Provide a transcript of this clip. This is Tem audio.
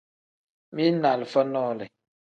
Mili ni alifa nole.